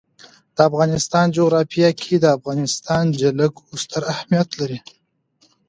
د افغانستان جغرافیه کې د افغانستان جلکو ستر اهمیت لري.